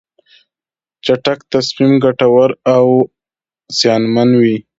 چټک تصمیم ګټور او زیانمن وي.